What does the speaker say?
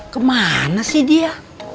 kemana sih dia